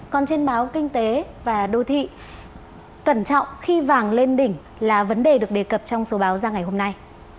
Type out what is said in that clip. còn trên báo kinh tế và đô thị cẩn trọng khi vàng lên đỉnh là vấn đề được đề cập trong số báo ra ngày hôm nay